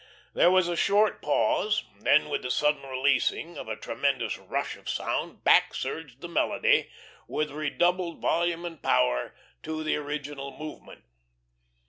There was a short pause, then with the sudden releasing of a tremendous rush of sound, back surged the melody, with redoubled volume and power, to the original movement.